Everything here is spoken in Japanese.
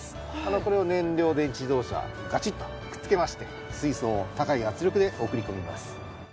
これを燃料電池自動車にガチッとくっつけまして水素を高い圧力で送り込みます。